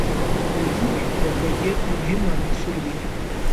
وضوح او کیفیت مهم عناصر دي.